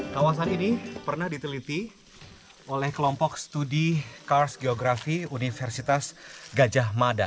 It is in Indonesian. kawasan ini pernah diteliti oleh kelompok studi kars geografi universitas gajah mada